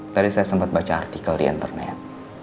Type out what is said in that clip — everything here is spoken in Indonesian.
tadi saya sempat baca artikel di internet